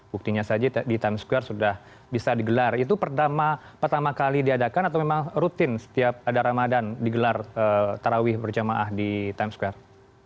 buktinya saja di times square sudah bisa digelar itu pertama kali diadakan atau memang rutin setiap ada ramadan digelar tarawih berjamaah di times square